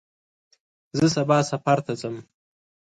زه سبا سفر ته ځم.